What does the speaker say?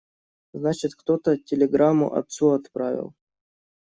Значит, кто-то телеграмму отцу отправил.